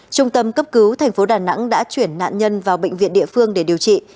trung tâm cấp cứu tp đà nẵng đã chuyển nạn nhân vào bệnh viện địa phương để điều trị